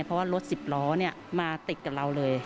เพราะว่ารถสิบล้อมาติดกับเราเลย